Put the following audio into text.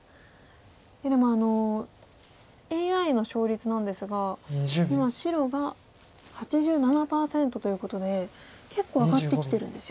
でもＡＩの勝率なんですが今白が８７％ということで結構上がってきてるんですよね。